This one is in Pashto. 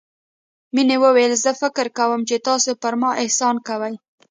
مينې وويل زه فکر کوم چې تاسو پر ما احسان کوئ.